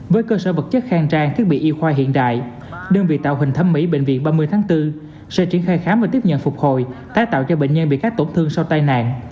với cơ sở vật chất khang trang thiết bị y khoa hiện đại đơn vị tạo hình thẩm mỹ bệnh viện ba mươi tháng bốn sẽ triển khai khám và tiếp nhận phục hồi tái tạo cho bệnh nhân bị các tổn thương sau tai nạn